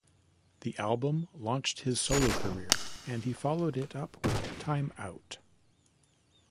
The album launched his solo career, and he followed it up with Time Out.